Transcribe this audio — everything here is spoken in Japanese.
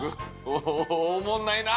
おもんないな！